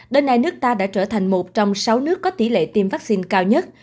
đến nay nước ta đã trở thành một trong sáu nước có tỷ lệ tiêm vaccine cao nhất